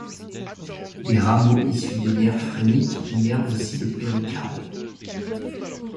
Des rameaux issus des nerfs phréniques innervent aussi le péricarde.